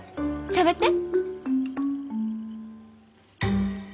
食べて。